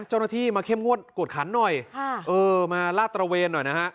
เจ้าหน้าที่มาเข้มงวดกวดขันหน่อยค่ะเออมาลาดตระเวนหน่อยนะฮะ